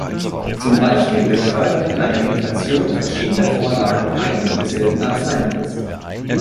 Zum Beispiel durch Förderung einer Inflation verschiedener Vorlagen ein und desselben Arzneimittels.